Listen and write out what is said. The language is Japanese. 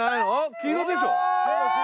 黄色でしょ？